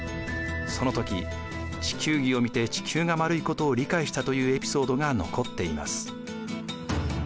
その時地球儀を見て地球が丸いことを理解したというエピソードが残っています。